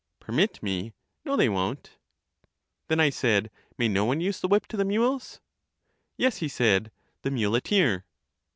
Permit me ! no they won't. Then, I said, may no one use the whip to the mules? Yes, he said, the muleteer.